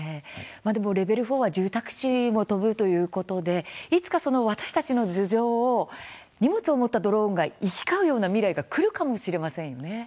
でもレベル４は住宅地も飛ぶということでいつか、私たちの頭上を荷物を持ったドローンが行き交うような未来がくるかもしれませんよね。